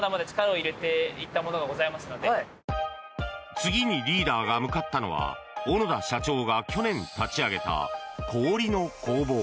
次にリーダーが向かったのは小野田社長が去年立ち上げた氷の工房。